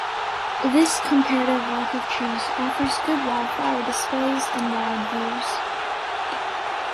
This comparative lack of trees offers good wildflower displays and wide views.